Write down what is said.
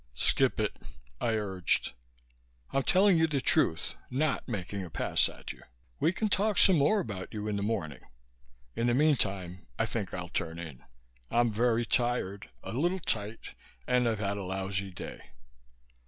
"Skip it!" I urged. "I'm telling you the truth, not making a pass at you. We can talk some more about you in the morning. In the meantime, I think I'll turn in. I'm very tired, a little tight and I've had a lousy day."